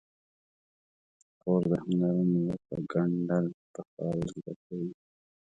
خور د هنرونو لکه ګنډل، پخول زده کوي.